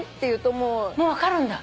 もう分かるんだ？